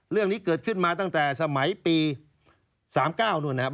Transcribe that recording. เรื่องนี้เกิดขึ้นมาตั้งแต่สมัยปี๓๙นู่นนะครับ